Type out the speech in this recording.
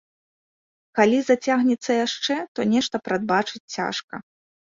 Калі зацягнецца яшчэ, то нешта прадбачыць цяжка.